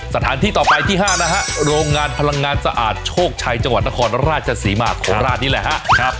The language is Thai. สถานที่ต่อไปที่๕นะฮะโรงงานพลังงานสะอาดโชคชัยจังหวัดนครราชศรีมาโคราชนี่แหละฮะ